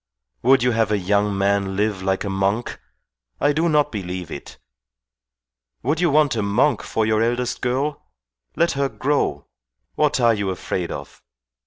Would you have a young man live like a monk? I do not believe it. Would you want a monk for your eldest girl? Let her grow. What are you afraid of?